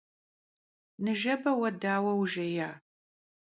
Nıjjebe vue daue vujjêya?